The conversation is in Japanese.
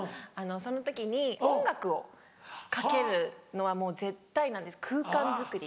その時に音楽をかけるのはもう絶対なんです空間づくり。